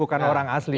bukan orang asli